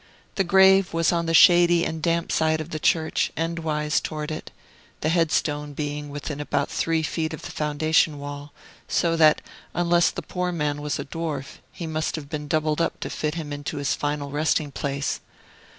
The grave was on the shady and damp side of the church, endwise towards it, the head stone being within about three feet of the foundation wall; so that, unless the poor man was a dwarf, he must have been doubled up to fit him into his final resting place.